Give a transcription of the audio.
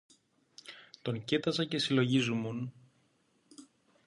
Τον κοίταζα και συλλογίζουμουν